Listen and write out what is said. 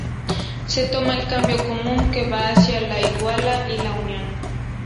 Se toma el camino común que va hacia La Iguala y La Unión.